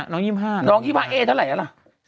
น้อง๒๕เอเท่าไหร่มะ